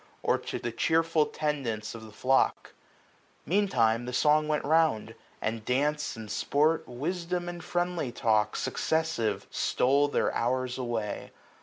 Or to the cheerful tendance of the flock* Meantime the song went round } and dance and sport. Wisdom and friendly talk, successive, stole Their hours away.